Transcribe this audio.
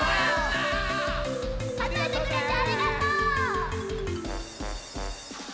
かぞえてくれてありがとう！